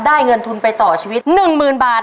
เงินทุนไปต่อชีวิต๑๐๐๐บาท